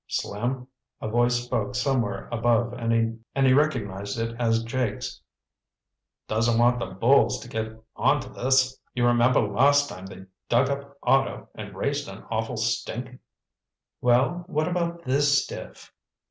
"Slim," a voice spoke somewhere above and he recognized it as Jake's, "doesn't want the bulls to get onto this. You remember last time they dug up Otto and raised an awful stink!" "Well, what about this stiff?"